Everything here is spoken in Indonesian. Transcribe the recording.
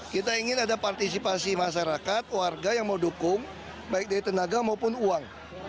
kita ingin ada partisipasi masyarakat warga yang mau dukung baik dari tenaga maupun uang